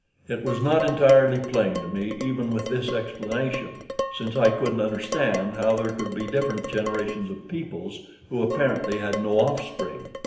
It was not entirely plain to me even with this explanation, since I couldn't understand how there could be different generations of peoples who apparently had no offspring.